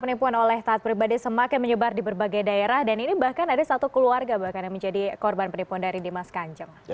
penipuan oleh taat pribadi semakin menyebar di berbagai daerah dan ini bahkan ada satu keluarga bahkan yang menjadi korban penipuan dari dimas kanjeng